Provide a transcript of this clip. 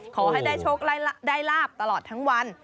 ขอให้ได้โชคได้ลาบตลอดทั้งวัน